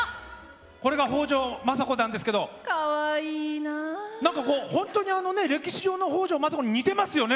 これが北条政子ですが本当に歴史上の北条政子に似てますよね。